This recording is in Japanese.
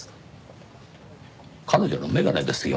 彼女の眼鏡ですよ。